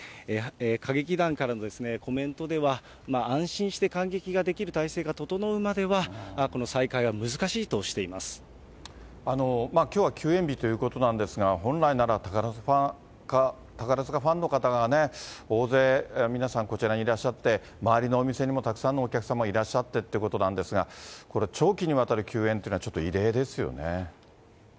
歌劇団からのコメントでは、安心して観劇ができる態勢が整うまでは、この再開は難しいとしてきょうは休演日ということなんですが、本来なら、宝塚ファンの方がね、大勢皆さん、こちらにいらっしゃって、周りのお店にもたくさんのお客様いらっしゃってってことなんですが、これ、長期にわたる休演というのはちょっとはい。